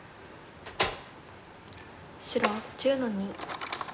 白１０の二。